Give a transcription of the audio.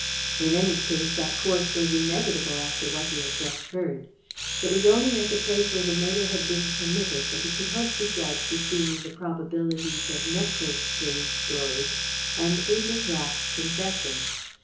In any case, that course was inevitable after what he had just heard. It was only at the place where the murder had been committed that he could hope to judge between the probabilities of Nepcote's strange story and Hazel Rath's confession.